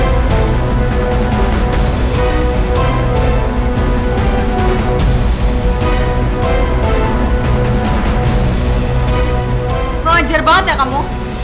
raja lo ngajar banget ya kamu